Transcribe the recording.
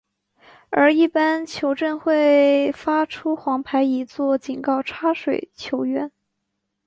而一般球证会发出黄牌以作警告插水球员。